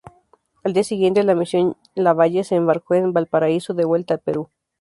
Al día siguiente, la misión Lavalle se embarcó en Valparaíso, de vuelta al Perú.